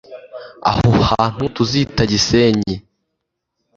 aho hantu tuzita gisenyi